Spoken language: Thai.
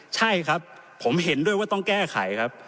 ใช่ครับผมเห็นด้วยว่าต้องแก้ไขครับ